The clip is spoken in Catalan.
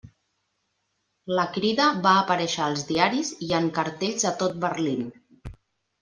La crida va aparèixer als diaris i en cartells a tot Berlín.